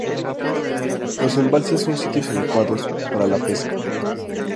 Los embalses son sitios adecuados para la pesca.